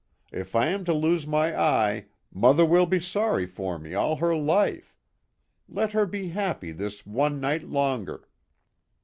If I am to lose my eye mother will be sorry for me all her life. Let her be happy this one night longer."